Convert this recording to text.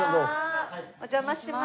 お邪魔します。